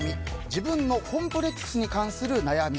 自分のコンプレックスに関する悩み